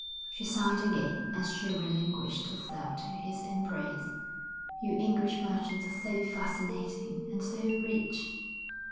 She sighed again as she relinquished herself to his embrace. 'You English merchants are so fascinating and so rich.'